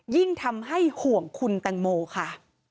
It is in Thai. ยิ่งทำให้ห่วงคุณแตงโมค่ะ